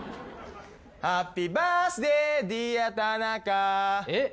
・「ハッピーバースデイディアタナカ」えっ？